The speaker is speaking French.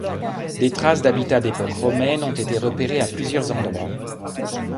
Des traces d'habitats d'époque romaine ont été repérées à plusieurs endroits.